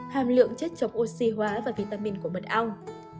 hàm lượng chất chống oxy hóa và vitamin của mật ong